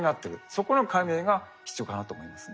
そこの解明が必要かなと思いますね。